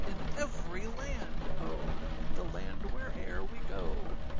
In every land, O! The land whereâer we go.